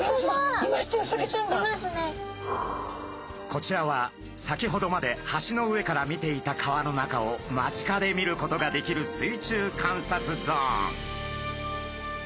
こちらは先ほどまで橋の上から見ていた川の中を間近で見ることができる水中観察ゾーン。